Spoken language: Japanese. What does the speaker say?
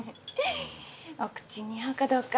お口に合うかどうか。